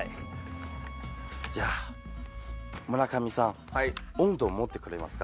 じゃあ村上さんウォンドを持ってくれますか？